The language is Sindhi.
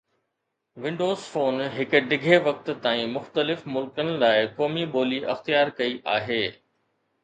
ونڊوز فون هڪ ڊگهي وقت تائين مختلف ملڪن لاء قومي ٻولي اختيار ڪئي آهي